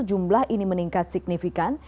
jumlah ini meningkat signifikan